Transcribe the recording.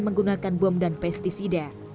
menggunakan bom dan pesticida